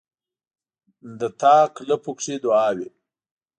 د تاک لپو کښې دعاوې،